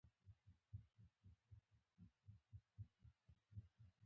ولاړ سه، د کار دي ناوخته کیږي